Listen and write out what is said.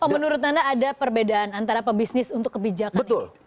kalau menurut anda ada perbedaan antara pebisnis untuk kebijakan ini